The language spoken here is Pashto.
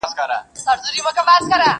زه سینې د حیوانانو څیرومه!